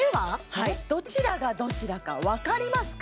はいどちらがどちらか分かりますか？